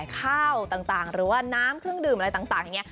ข้าวต่างหรือว่าน้ำเครื่องดื่มอะไรต่างอย่างนี้